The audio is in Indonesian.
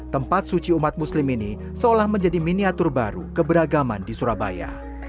tempat suci umat muslim ini seolah menjadi miniatur baru keberagaman di surabaya